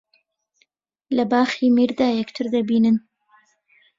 لە باخی میردا یەکتر دەبینن